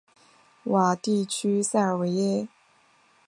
瓦地区塞尔维耶。